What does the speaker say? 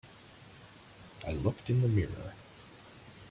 I looked in the mirror.